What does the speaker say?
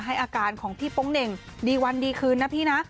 อาการของพี่โป๊งเหน่งดีวันดีคืนนะพี่นะ